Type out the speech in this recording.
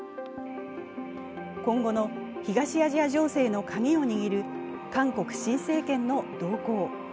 今後の東アジア情勢のカギを握る韓国新政権の動向。